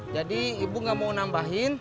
jadi ibu enggak mau nambahin